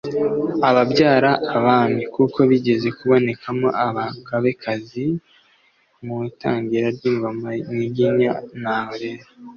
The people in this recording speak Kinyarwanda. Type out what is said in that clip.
ababyara-abami, kuko bigeze kubonekamo abagabekazi mu itangira ry’ingoma nyiginya. naho rero